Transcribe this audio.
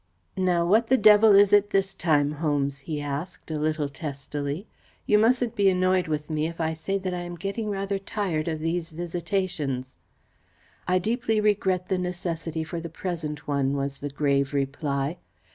"Now what the devil is it this time, Holmes?" he asked, a little testily. "You mustn't be annoyed with me if I say that I am getting rather tired of these visitations." "I deeply regret the necessity for the present one," was the grave reply.